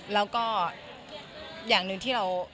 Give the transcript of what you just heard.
แล้วก็อย่างหนึ่งที่เรา